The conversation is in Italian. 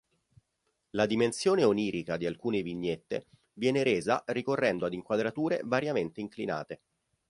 La dimensione onirica di alcune vignette viene resa ricorrendo ad inquadrature variamente inclinate.